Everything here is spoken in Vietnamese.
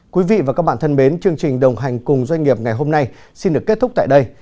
quý vị và các bạn thân mến chương trình đồng hành cùng doanh nghiệp ngày hôm nay xin được kết thúc tại đây